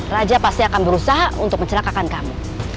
raja pasti akan berusaha untuk mencelakakan kamu